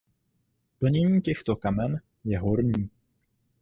Plnění těchto kamen je horní.